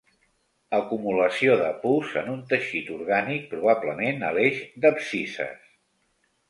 Acumulació de pus en un teixit orgànic, probablement a l'eix d'abscisses.